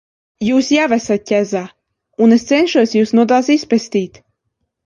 Jūs jau esat ķezā, un es cenšos Jūs no tās izpestīt.